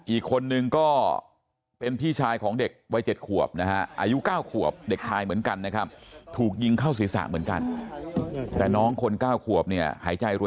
อีกคนนึงก็เป็นพี่ชายของเด็กวัย๗ขวบนะฮะ